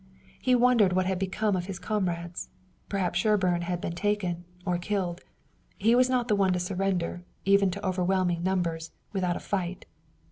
He wondered what had become of his comrades. Perhaps Sherburne had been taken, or killed. He was not one to surrender, even to overwhelming numbers, without a fight.